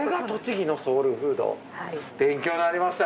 勉強になりました